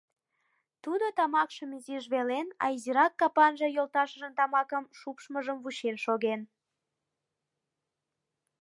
Тудо тамакшым изиш велен, а изирак капанже йолташыжын тамакым шупшмыжым вучен шоген.